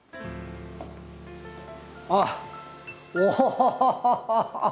あっ。おっ！